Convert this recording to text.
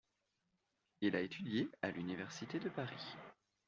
Il a étudié à l’université de Paris.